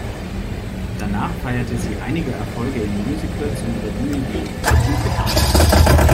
Danach feierte sie einige Erfolge in Musicals und Revuen wie "By Jupiter".